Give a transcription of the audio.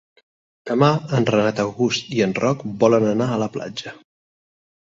Demà en Renat August i en Roc volen anar a la platja.